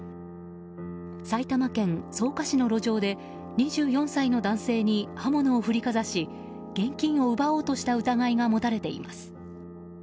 埼玉県草加市の路上で２４歳の男性に刃物を振りかざし現金を奪おうとした疑いが持たれています。